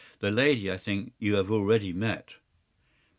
The lady, I think, you have already met.